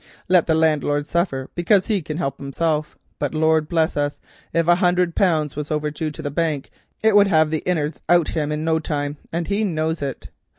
Let the landlord suffer, because he can't help hisself; but Lord bless us, if a hundred pounds were overdue to the bank it would have the innards out of him in no time, and he knows it.